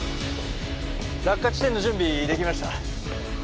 落下地点の準備出来ました。